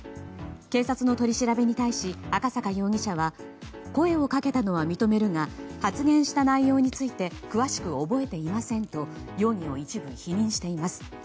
警察の取り調べに対し赤坂容疑者は声をかけたのは認めるが発言した内容について詳しく覚えていませんと容疑を一部否認しています。